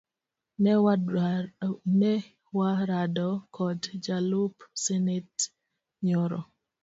Ne warado kod jalup senate nyoro